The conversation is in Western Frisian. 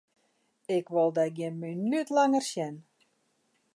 Ik wol dyn gjin minút langer sjen!